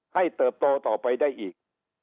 เติบโตต่อไปได้อีก